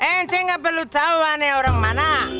ente gak perlu tau ane orang mana